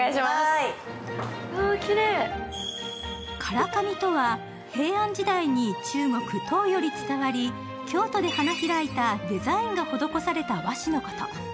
唐紙とは、平安時代に中国・唐より伝わり、京都で花開いたデザインが施された和紙のこと。